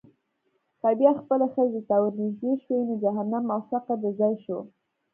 که بیا خپلې ښځې ته ورنېږدې شوې، نو جهنم او سقر دې ځای شو.